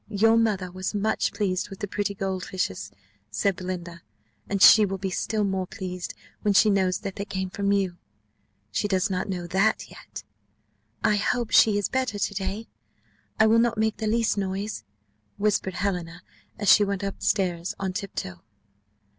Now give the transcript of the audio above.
"Your mother was much pleased with the pretty gold fishes," said Belinda, "and she will be still more pleased, when she knows that they came from you: she does not know that yet." "I hope she is better to day? I will not make the least noise," whispered Helena, as she went up stairs on tiptoe.